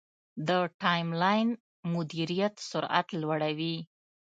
د ټایملاین مدیریت سرعت لوړوي.